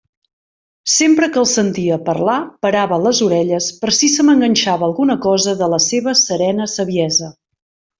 Sempre que el sentia parlar parava les orelles per si se m'enganxava alguna cosa de la seva serena saviesa.